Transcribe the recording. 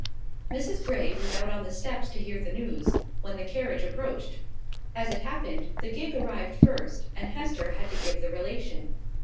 Mrs Grey was out on the steps to hear the news, when the carriage approached. As it happened, the gig arrived first, and Hester had to give the relation.